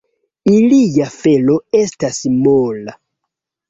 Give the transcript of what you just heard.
Ilia felo estas mola.